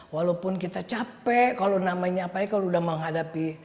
walaupun kita capek kalau namanya apanya kalau sudah menghadapi